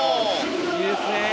いいですね。